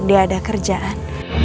dia ada kerjaan